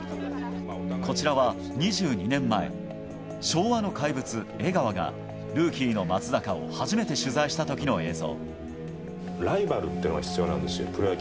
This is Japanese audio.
こちらは２２年前昭和の怪物、江川がルーキーの松坂を初めて取材した時の映像。